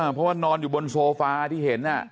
เพราะว่านอนอยู่บนโซฟาที่เห็น